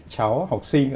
cháu học sinh